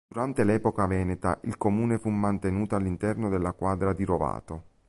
Durante l'epoca veneta, il comune fu mantenuto all'interno della quadra di Rovato.